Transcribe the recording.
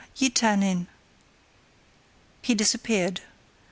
You turn in." He disappeared.